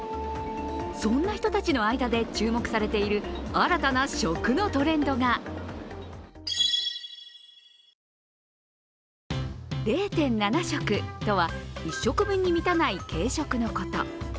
そんな人たちの間で注目されている新たな食のトレンドが０．７食とは、１食分に満たない軽食のこと。